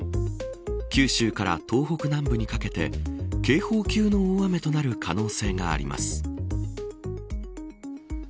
九州から東北南部にかけて警報級の大雨となる可能性があります。